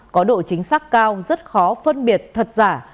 có độ chính xác cao rất khó phân biệt thật giả